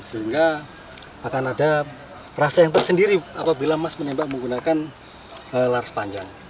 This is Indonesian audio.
sehingga akan ada perasaan tersendiri apabila mas menembak menggunakan laras panjang